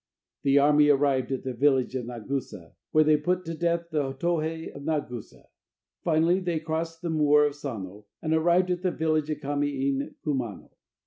The army arrived at the village of Nagusa, where they put to death the Tohe of Nagusa. Finally they crossed the moor of Sano, and arrived at the village of Kami in Kumano.